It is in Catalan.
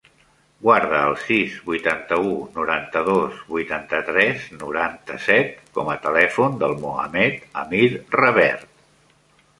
Guarda el sis, vuitanta-u, noranta-dos, vuitanta-tres, noranta-set com a telèfon del Mohamed amir Revert.